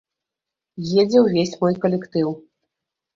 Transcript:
Едзе ўвесь мой калектыў.